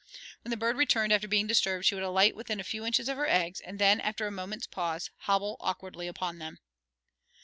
When the bird returned after being disturbed, she would alight within a few inches of her eggs, and then, after a moment's pause, hobble awkwardly upon them.